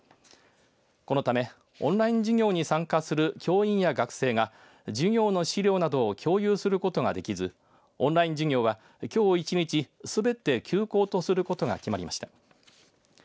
このためオンライン授業に参加する教員や学生が授業の資料などを共有することができずオンライン授業は、きょう１日すべて休校とすることが決まりました。